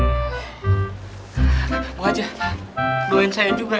bang haji doain saya juga ya